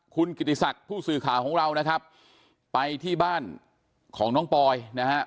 คุณกิติศักดิ์ผู้สื่อข่าวของเรานะครับไปที่บ้านของน้องปอยนะฮะ